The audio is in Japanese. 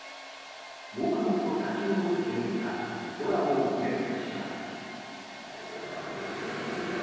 もくもくと立ち上る煙が空を埋め尽くします。